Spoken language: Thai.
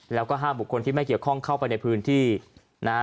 แล้วก็ห้ามบุคคลที่ไม่เกี่ยวข้องเข้าไปในพื้นที่นะฮะ